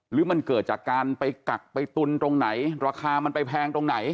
หรือมันเกิดจากการไปกักไปตุนตรงไหนราคามันไปแพงตรงไหน